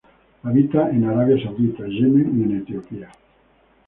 Habita en Arabia Saudita, Yemen y en Etiopía.